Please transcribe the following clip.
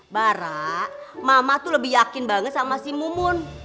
bara mama tuh lebih yakin banget sama si mumun